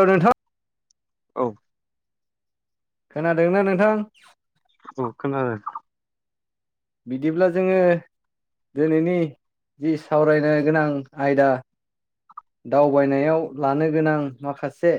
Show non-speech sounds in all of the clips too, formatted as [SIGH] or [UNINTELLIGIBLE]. औ नोंथां औ खोनादोंना नोंथां? अ खोन आरो बिदिब्ला जोङो दिनैनि जि सावरायनो गोनां आयदा दावबायनायाव लानो गोनां माखासे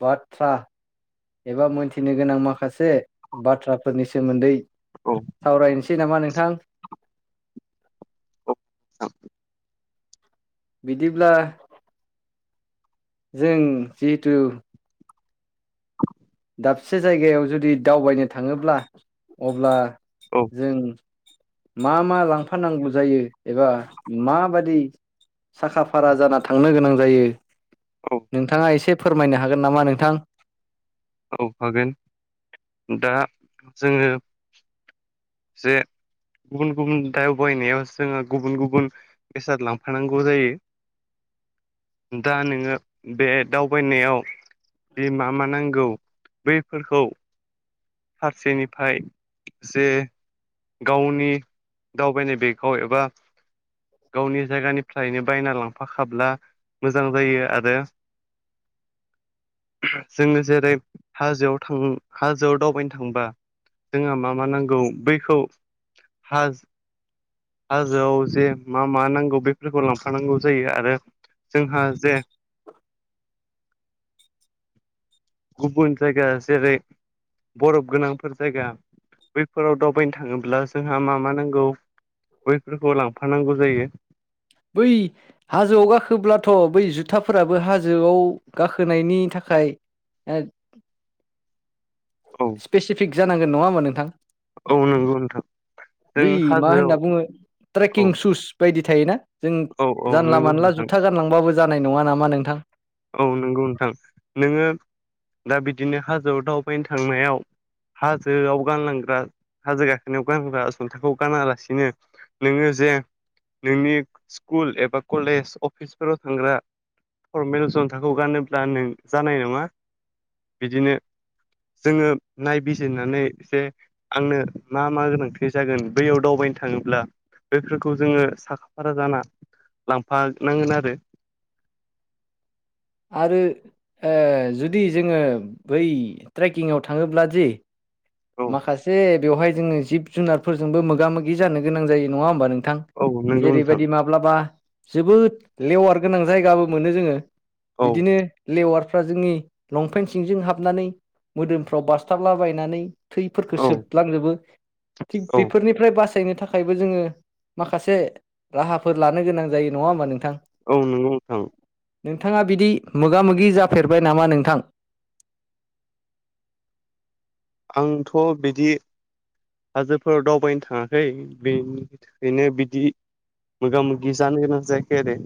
बाथ्रा एबा मोनथिनो गोनां माखासे बाथ्राफोरनि सोमोन्दै औ सावरायनोसै नामा नोंथां? औ। बिदिब्ला जों जिहेथु [INAUDIBLE] दाबसे जायगायाव जुदि दावबायनो थाङोब्ला अब्ला औ जों मा मा लांफानांगौ जायो एबा माबादि साखा फारा जाना थांनो गोनां जायो औ नोंथाङा एसे फोरमायनो हागोन नामा नोंथां। औ हागोन दा जोङो जे गुबुन गुबुन दावबायनाया जोङो गुबुन गुबुन बेसाद लांफानांगौ जायो। दा नोङो बे दावबायनायाव जि मा मा नांगौ बैफोरखौ फारसेनिफ्राय जे गावनि दावबायनाय बेगखौ एबा गावनि जायगानिफ्रायनो बायना लांफाखाब्ला मोजां जायो आरो। [INAUDIBLE] जोङो जेरै हाजोआव थां हाजोआव दावबायनो थांबा जों मा मा नांगौ बैखौ हा हाजोआव जे मा मा नांगौ बेफोरखौ लांफानांगौ जायो आरो जोंहा जे [INAUDIBLE] गुबुन जायगा जेरै बरफ गोनांफोर जायगा बैफोराव दावबायनो थाङोब्ला जोंहा मा मा नांगौ। बैफोरखौ लांफानांगौ जायो। बै हाजोआव गाखोब्लाथ' बै जुथाफोराबो हाजोआव गाखोनायनि थाखाय। [UNINTELLIGIBLE] औ स्पेसिफिक जानांगोन नङा होमबा नोंथां। औ नंगौ नोंथां जों बै मा हाजोआव होनना बुङो औ ट्रेकिं सुस बायदि थायोना। जों औ औ जानला नंगौ मानला नोंथां जुथा गानलांबाबो जानाय नङा नामा नोंथां। औ नंगौ नोंथां नोङो दा बिदिनो हाजोआव दावबायनो थांनायाव। हाजोआव गानलांग्रा हाजो गाखोनायाव गानग्रा सुंथाखौ गानालासिनो नोङो जे नोंनि स्कुल एबा कलेज अफिसफोराव थांग्रा। फरमेल जंन्थाखौ गानोब्ला नों जानाय नङा बिदिनो जोङो नायबिजिरनानै जे आंनो मा मा गोनांथि जागोन बैयाव दावबायनो थाङोब्ला। बेफोरखौ जोङो साखा फारा जाना लांफानांगोन आरो। आरो ओ जुदि जोङो बै ट्रेकिंआव थाङोब्ला दि औ माखासे बेवहाय जोङो जिब जुनारफोरजोंबो मोगा-मोगि जानो गोनां जायो नङा होमबा नोंथां। औ नंगौ नोंथां जेरैबायदि माब्लाबा जोबोद लेवार गोनां जायगाबो मोनो जोङो। औ बिदिनो लेवारफ्रा जोंनि लंपेन्ट सिंजों हाबनानै मोदोमफ्राव बासथाबलाबायनानै थैफोरखौ औ सोबलांजोबो थिग औ बेफोरनि बेनिफ्राय बासायनो थाखायबो जोङो माखासे राहाफोर लानो गोनां जायो नङा होमबा नोंथां। औ नोंगौ नोंथां। नोंथाङा बिदि मोगा मोगि जाफेरबाय नामा नोंथां? आंथ' बिदि हाजोफोराव दावबायनो थाङाखै बे बेनो बिदि। मोगा मोगि जानो गोनां जायो आरो।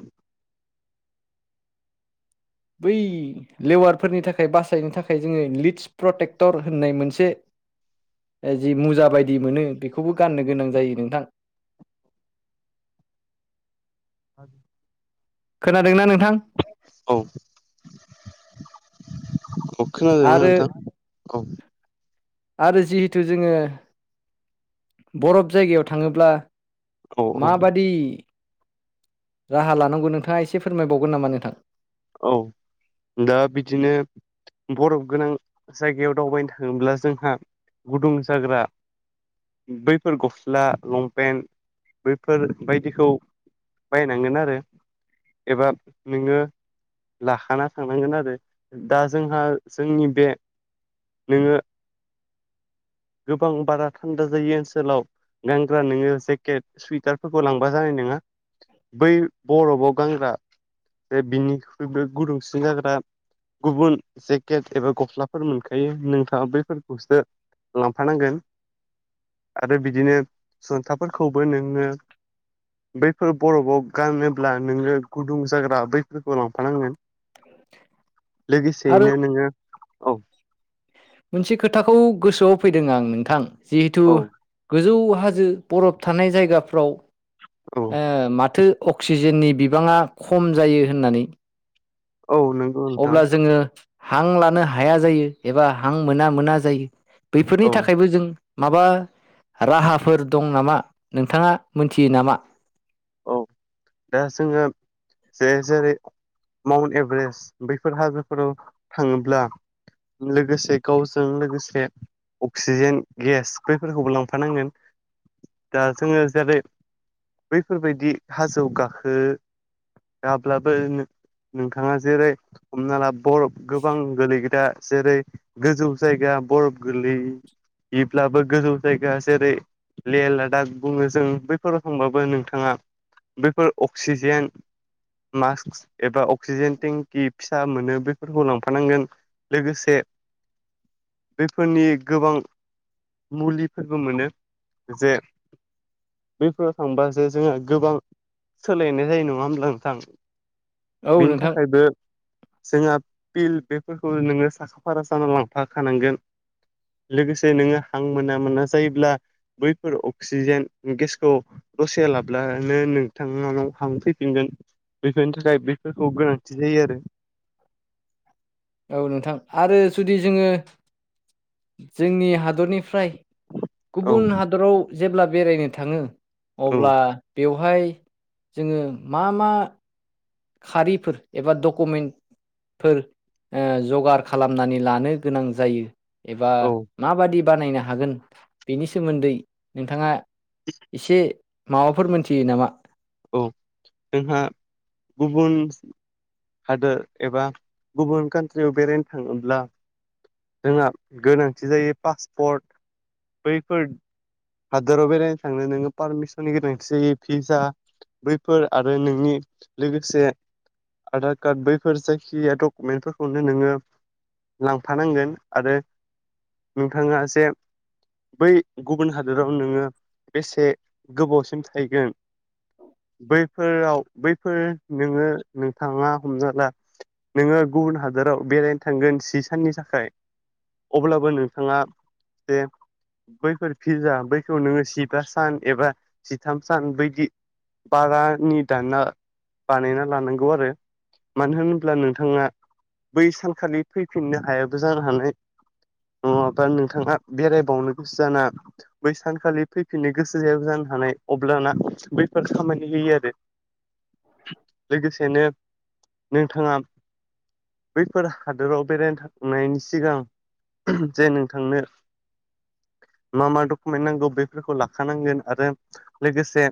बै लेवारफोरनि थाखाय बासायनो थाखाय जोङो लिदस प्रटेक्टर होननाय मोनसे जि मुजा बायदि मोनो बेखौबो गाननो गोनां जायो नोंथां। [UNINTELLIGIBLE] खोनादोंना नोंथां? औ औ खोनादोंना आरो नोंथां औ आरो जिहेथु जोङो बरफ जायगायाव थाङोब्ला औ माबादि राहा लानांगौ नोंथाङा एसे फोरमायबावगोन नामा नोंथां? औ दा बिदिनो बरफ गोनां जायगायाव दावबायनो थाङोब्ला जोंहा गुदुं जाग्रा बैफोर गस्ला लंपेन्ट बैफोर बायदिखौ बायनांगोन आरो एबा नोङो लाखाना थांनांगोन आरो दा जोंहा जोंनि बे नोङो गोबां बारा थान्दा जायो ओनसोलाव गानग्रा नोङो जेकेट सुइटारफोरखौ लांबा जानाय नङा बै बरफआव गानग्रा जे बिनिख्रुइबो गुदुंसिन जाग्रा। गुबुन जेकेट एबा गस्लाफोर मोनखायो नोंथाङा बैफोरखौसो लांफानांगोन आरो बिदिनो जुन्थाफोरखौबो नोङो बैफोर बरफआव गानोब्ला नोङो गुदुं जाग्रा बैफोर लांफानांगोन आरो लोगोसेयैनो नोङो औ मोनसे खोथाखौ गोसोआव फैदों आं नोंथां जिहेथु औ गोजौ हाजो बरफ थानाय जायगाफ्राव औ ओ माथो अक्सिजेननि बिबाङा खम जायो होननानै। औ नों अब्ला जोङो हां लानो हाया जायो एबा हां मोना मोना जायो। बैफोरनि औ थाखायबो जों माबा राहाफोर दं नामा नोंथाङा मोनथियो नामा? औ दा जोङो जे जेरै माउन्ट एभारेस्ट बैफोर हाजोफोराव थाङोब्ला लोगोसे गावजों लोगोसे अक्सिजेन गेस बैफोरखौबो लांफानांगोन दा जोङो जेरै बैफोरबायदि हाजो आव गाखो आब्लाबो नोंथाङा जेरै हमना ला बरफ गोबां गोलैग्रा जेरै गोजौ जायगा बरफ गोलै बिब्लाबो गोजौ जायगा जेरै ले लादाख बुङो जों बैफोराव थांबाबो नोंथां थाङा बैफोर अक्सिजेन मास्क एबा अक्सिजेन टेंकि फिसा मोनो बेफोरखौ लांफानांगोन लोगोसे बेफोरनि गोबां मुलिफोरबो मोनो जे बैफोराव थांबा जे जोंहा गोबां सोलायनाय जायो नङा होमब्ला नोंथां? औ बिनि नोंथां थाखायबो जोंहा पिल बेफोरखौ नोङो साखा फारा जानानै लांफाखानांगोन लोगोसे नोङो हां मोना मोना जायोब्ला बैफोर अक्सिजेन गेसखौ दसे लाब्लानो नोंथांनाव हांफैफिनगोन। बेफोरनि थाखाय बेफोरखौ गोनांथि जायो आरो औ नोंथां आरो जुदि जोङो जोंनि हादरनि फ्राय औ गुबुन हादराव जेब्ला बेरायनो थाङो औ अब्ला बेवहाय जोङो मा मा खारिफोर एबा डकुमेन्ट फोर जगार खालामनानै लानो गोनां जायो एबा औ माबादि बानायनो हागोन बेनि सोमोन्दै नोंथाङा एसे माबाफोर मोनथियो नामा औ जोंहा गुबुन हादोर एबा गुबुन कान्ट्रियाव बेरायनो थाङोब्ला जोंहा गोनांथि जायो पासपर्ट बैफोर हादोराव बेरायनो थांनो नोङो पारमिसननि गोनांथि जायो फिसआ बैफोर आरो नोंनि लोगोसे आधार कार्ड बैफोर जायखिाया डकुमेन्टफोरखौनो नोङो लांफानांगोन आरो नोंथाङा जे बै गुबुन हारि होदोराव नोङो बेसे गोबावसिम थायगोन बैफोराव बैफोर नोङो नोंथाङा हमना ला नोङो गुबुन हादराव बेरायनो थांगोन सि साननि थाखाय अब्लाबो नोंथाङा जे बैफोर फिर्जा बैखौ नोङो जिबा सान एबा जिथाम सान बायदि बारानि दाना बानायना लानांगौ आरो मानो होन्ला नोंथाङा बै सानखालि फैफिननो हायाबो जानो हानाय नङाबा नोंथाङा बेरायबावनो गोसो जाना बै सानखालि फैफिननो गोसो जाब जानो हानाय अब्लाना बैफोर खामानि होयो आरो लोगोसेनो नोंथाङा बैफोर हादोराव बेरायनो थांनायनि सिगां जे नोंथांनो मा मा दख में नांगौ बेफोरखौ लाखानांगोन आरो लोगोसे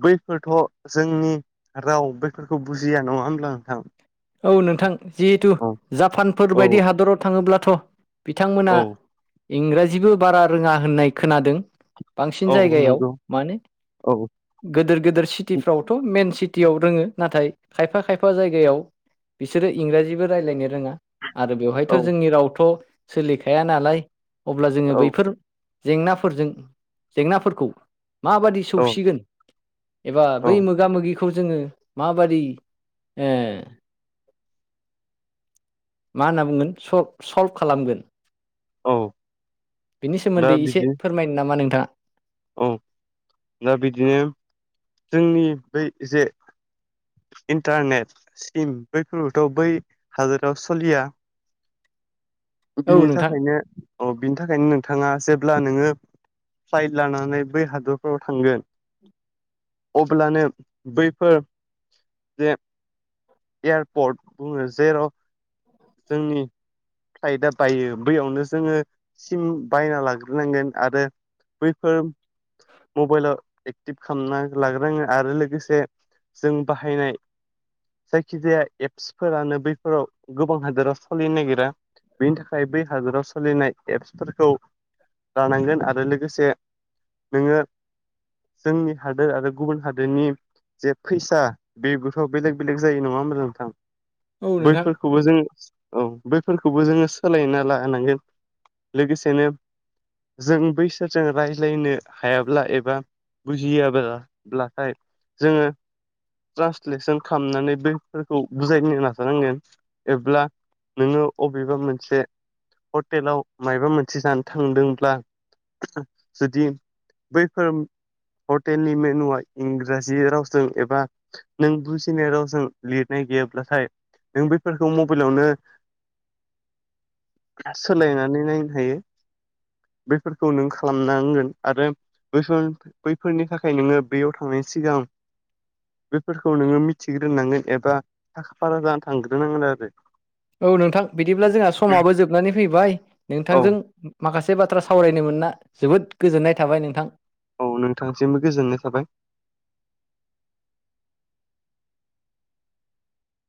बैफोरथ' जोंनि राव बैफोरखौ बुजिया नङा होनोमब्ला नोंथां औ नोंथां जिहेथु औ जापानफोर औ बायदि हादराव थाङोब्लाथ' बिथांमोना औ इंराजिबो बारा रोङा होननाय खोनादों बांसिन औ जायगायाव नंगौ मानो औ गिदोर गिदोर सिटिफ्रावथ' मेन सिटियाव रोङो नाथाय खायफा खायफा जायगायाव बिसोरो इंराजिबो रायज्लायनो रोङा आरो बेवहायथ' औ जोंनि रावथ' सोलिखाया नालाय अब्ला जोङो औ बैफोर जेंनाफोरजों जेंनाफोरखौ माबादि औ सौसिगोन एबा औ बै मोगा मोगि खौ जोङो माबाददि मा होनना बुंगोन सल्भ खालामगोन औ बिनि दा सोमोन्दै एसे बिदि फोरमायनो नामा नोंथाङा औ दा बिदिनो जोंनि बै जे इन्टारनेट सिम बैफोरथ' बै हादोराव सोलिया औ बिनि नोंथां थाखायनो अ बिनि थाखायनो नोंथाङा जेब्ला नोङो फ्लाइट लानानै बै हादरफ्राव थांगोन अब्लानो बैफोर जे एयारपर्ट बुङो जेराव जोंनि फ्लाइटआ बायो बैयावनो जोङो सिम बायना लाग्रोनांगोन आरो बैफोर मबाइलाव एक्टिभ खालामना लागोनङो आरो लोगोसे जों बाहायनाय जायखिजाया एप्सफोरानो बैफोराव गोबां हादोराव सलिनो नागिरा बेनि थाखाय बै हादराव सोलिनाय एप्सफोरखौ रानांगोन आरो लोगोसे नोङो जोंनि हादोर आरो गुबुन हादोरनि जे फैसा बे बोथ' बेलेग बेलेग जायो नङा ओमबा नोंथां औ नोंथां बैफोरखौबो जों औ बै फोरखौबो जोङो सोलायना लानांगोन लोगोसेनो जों बैसोरजों रायज्लायनो हायाब्ला एबा बुजियाब्लाथाय जोङो ट्रान्सलेसन खालामनानै बेफोरखौ बुजायनो नाजानांगोन एब्ला नोङो अबेबा मोनसे हटेलाव मायबा मोनसे जानो थांदोंब्ला जुदि बैफोर हटेलनि मेनुआ इंराजि रावजों एबा नों बुजिनाय रावजों लिरनाय गैयाब्लाथाय नों बेफोरखौ मबेलावनो सोलायनानै नायनो हायो बेफोरखौ नों खालामनांगोन आरो बैफोर बैफोरनि थाखाय नोङो बेयाव थांनायनि सिगां बेफोरखौ नोङो मिथिग्रोनांगोन एबा थाखा फारा जानानै थांग्रोनांगोन आरो औ नोंथां बिदिब्ला जोंहा समाबो जोबनानै फैबाय औ नोंथांजों माखासे से बाथ्रा सावरायनो मोनना जोबोद गोजोननाय थाबाय नोंथां। औ नोंथांसिमबो गोजोननाय थाबाय।